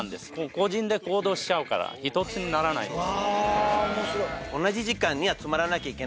個人で行動しちゃうから１つにならないんです。